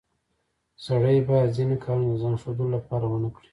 سړی باید ځینې کارونه د ځان ښودلو لپاره ونه کړي